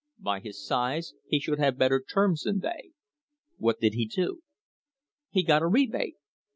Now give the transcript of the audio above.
By his size he should have better terms than they. What did he do? He got a rebate.